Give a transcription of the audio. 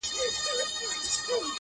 دا منم چي مي خپل ورڼه دي وژلي،